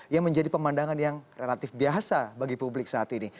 yang menjadi pemandangan yang relatif biasa bagi publik saat ini